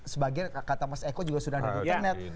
sebagian kata mas eko juga sudah ada di internet